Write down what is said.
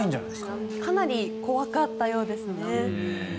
かなり怖かったようですね。